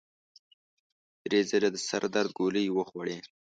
درې ځله د سر د درد ګولۍ وخوړې.